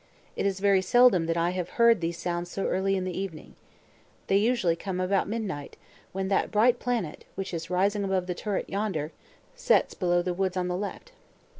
It is very seldom that I have heard these sounds so early in the evening. They usually come about midnight, when that bright planet, which is rising above the turret yonder, sets below the woods on the left."